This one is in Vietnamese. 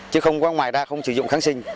chứ không có ngoài ra không sử dụng kháng sinh